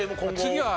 次は。